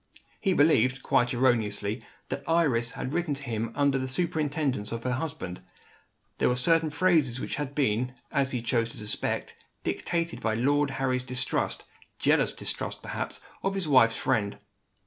He believed (quite erroneously) that Iris had written to him under the superintendence of her husband. There were certain phrases which had been, as he chose to suspect, dictated by Lord Harry's distrust jealous distrust, perhaps of his wife's friend.